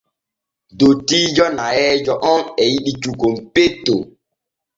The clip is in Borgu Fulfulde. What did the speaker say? Dottiijo nayeeje on e yiɗi cukon petton.